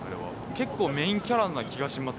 結構メインキャラな気がします、